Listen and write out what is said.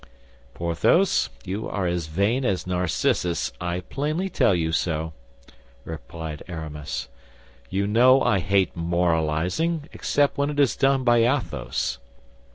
"Porthos, you are as vain as Narcissus; I plainly tell you so," replied Aramis. "You know I hate moralizing, except when it is done by Athos.